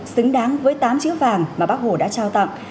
xứng đáng với tám chữ vàng mà bác hồ đã trao tặng